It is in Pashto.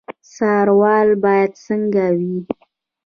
څارنوال باید څنګه وي؟